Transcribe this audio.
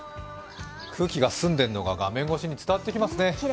空気が澄んでいるのが画面越しに伝わってきますね。